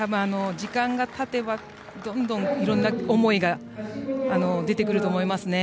時間がたてばどんどんいろんな思いが出てくると思いますね。